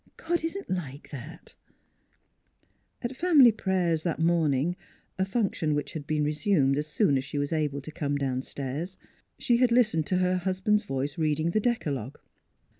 God isn't like that !" At family prayers that morning a function which had been resumed as soon as she was able to come downstairs she had listened to her hus band's voice reading the decalogue.